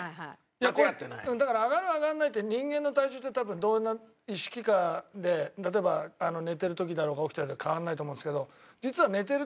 いやこれだから上がる上がらないって人間の体重って多分意識下で例えば寝てる時だろうが起きてる時変わらないと思うんですけど。